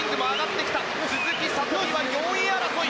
鈴木聡美は４位争い。